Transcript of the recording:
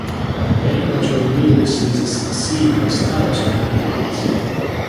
Many autoimmune diseases see these types of antibodies.